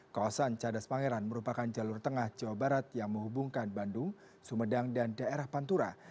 kawasan cadas pangeran merupakan jalur tengah jawa barat yang menghubungkan bandung sumedang dan daerah pantura